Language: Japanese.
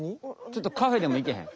ちょっとカフェでもいけへん？